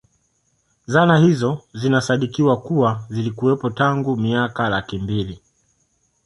Zana hizo zinasadikiwa kuwa zilikuwepo tangu miaka laki mbili